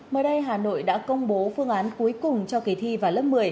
mới đây hà nội đã công bố phương án cuối cùng cho kỳ thi vào lớp một mươi